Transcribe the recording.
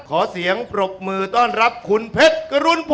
ขอเสียงปรบมือต้อนรับคุณเพชรกรุณพล